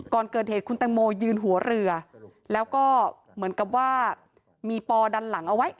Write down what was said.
ก่อนเกิดเหตุคุณแตงโมยืนหัวเรือแล้วก็เหมือนกับว่ามีปอดันหลังเอาไว้